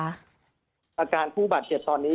อาการผู้บาดเจ็บตอนนี้